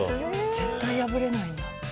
絶対破れないんだ。